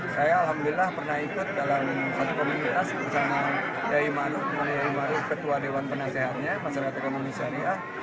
saya alhamdulillah pernah ikut dalam satu komunitas bersama ketua dewan penasehatnya masyarakat ekonomi syariah